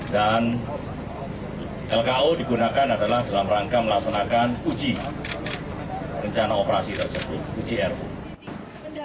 dan lko digunakan adalah dalam rangka melaksanakan uji rencana operasi tersebut uji ru